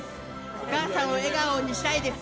お母さんを笑顔にしたいです。